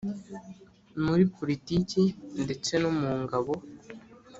muri politiki ndetse no mu ngabo.